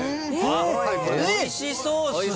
おいしそうっすね！